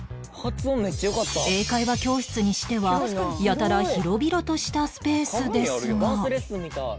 英会話教室にしてはやたら広々としたスペースですが